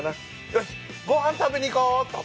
よしごはん食べに行こうっと。